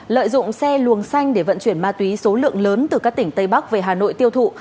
lợi dụng xe luồng xanh để vận chuyển ma túy số lượng lớn từ các tỉnh tây bắc về hà nội tiêu thụ